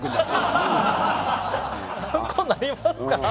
参考になりますか。